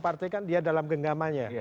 partai kan dia dalam genggamannya